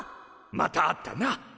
また会ったな。